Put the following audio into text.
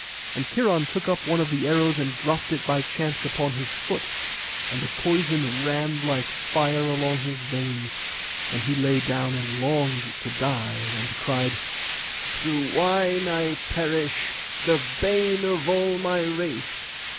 Then Cheiron took up one of the arrows, and dropped it by chance upon his foot; and the poison ran like fire along his veins, and he lay down and longed to die; and cried, 'Through wine I perish, the bane of all my race.